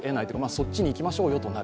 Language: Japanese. そっちにいきましょうよとなる。